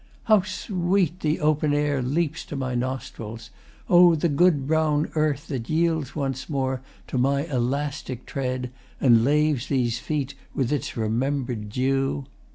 ] How sweet the open air Leaps to my nostrils! O the good brown earth That yields once more to my elastic tread And laves these feet with its remember'd dew!